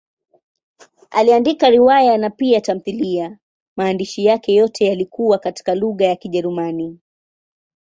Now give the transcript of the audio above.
Aliandika riwaya na pia tamthiliya; maandishi yake yote yalikuwa katika lugha ya Kijerumani.